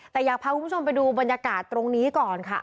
แต่อยากพาคุณผู้ชมไปดูบรรยากาศตรงนี้ก่อนค่ะ